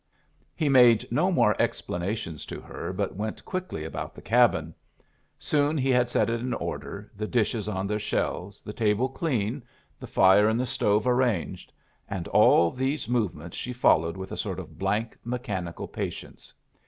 He made no more explanations to her, but went quickly about the cabin. Soon he had set it in order, the dishes on their shelves, the table clean, the fire in the stove arranged; and all these movements she followed with a sort of blank mechanical patience.